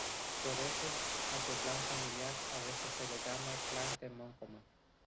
Por eso, a su clan familiar a veces se le llama "clan de Mongomo".